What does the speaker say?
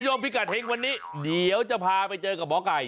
พี่จอมพิกัดเห่งวันนี้เดี๋ยวจะพาไปเจอกับหมอก่าย